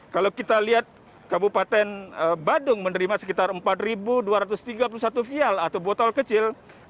kalau kita lihat kabupaten badung menerima sekitar empat dua ratus tiga puluh satu vial atau botol kecil